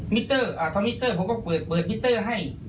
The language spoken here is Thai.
มิเตอร์ทองมิเตอร์ผมก็เปิดมิเตอร์ให้